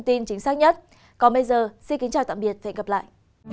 xin chào và hẹn gặp lại